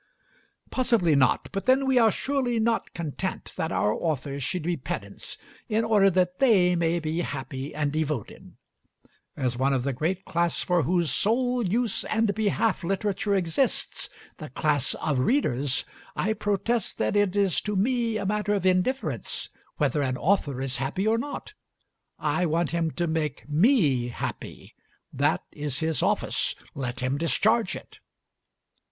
Possibly not; but then we are surely not content that our authors should be pedants in order that they may be happy and devoted. As one of the great class for whose sole use and behalf literature exists, the class of readers, I protest that it is to me a matter of indifference whether an author is happy or not. I want him to make me happy. That is his office. Let him discharge it.